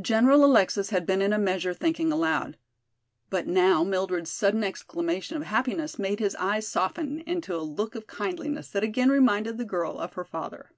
General Alexis had been in a measure thinking aloud. But now Mildred's sudden exclamation of happiness made his eyes soften into a look of kindliness that again reminded the girl of her father.